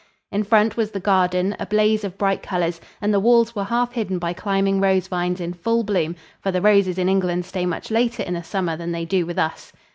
In front was the garden, a blaze of bright colors, and the walls were half hidden by climbing rose vines in full boom for the roses in England stay much later in the summer than they do with us.